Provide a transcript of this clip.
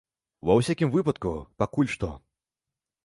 Ва ўсякім выпадку, пакуль што.